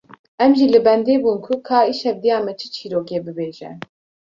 Em jî li bendê bûn ku ka îşev diya me çi çîrokê bibêje